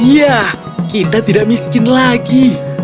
ya kita tidak miskin lagi